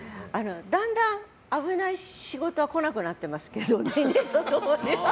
だんだん危ない仕事は来なくなってますけど年齢と共に。